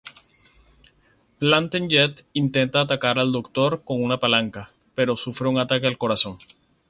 Plantagenet intenta atacar al Doctor con una palanca, pero sufre un ataque al corazón.